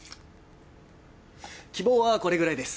希望はこれくらいです。